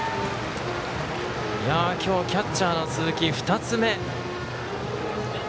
今日、キャッチャーの鈴木２つ目。